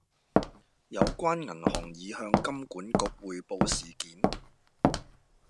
有關銀行已向金管局匯報事件